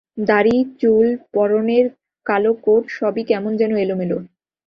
দাড়ি, চুল, পরনের কালো কোট সবই কেমন যেন এলোমেলো।